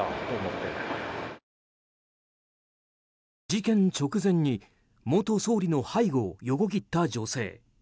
事件直前に元総理の背後を横切った女性。